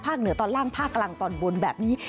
เหนือตอนล่างภาคกลางตอนบนแบบนี้